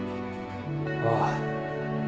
ああ。